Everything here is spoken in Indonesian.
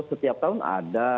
setiap tahun ada